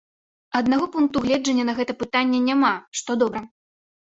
Аднаго пункту гледжання на гэта пытанне няма, што добра.